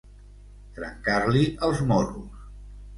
Trencar-li els morros.